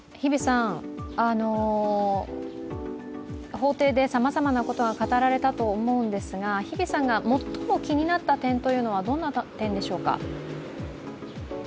法廷でさまざまなことが語られたと思うんですが、日比さんが最も気になった点というのはどんな点でしょうか。